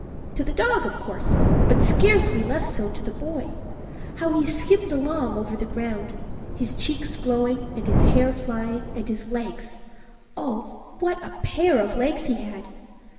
To the dog of course, but scarcely less so to the boy. How he skimmed along over the ground his cheeks glowing, and his hair flying, and his legs oh, what a pair of legs he had!